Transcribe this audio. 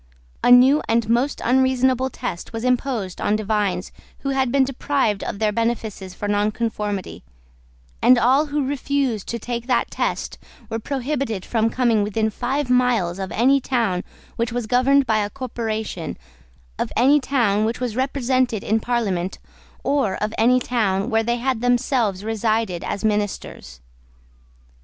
A new and most unreasonable test was imposed on divines who had been deprived of their benefices for nonconformity; and all who refused to take that test were prohibited from coming within five miles of any town which was governed by a corporation, of any town which was represented in Parliament, or of any town where they had themselves resided as ministers.